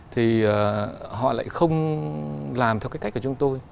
thì họ lại không làm theo cái cách của chúng tôi